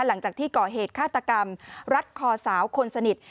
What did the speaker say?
หลังจากที่ก่อเหตุฆาตกรรมรัดคอสาวคนสนิท